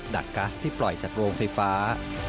ก๊าซที่ปล่อยจากโรงไฟฟ้า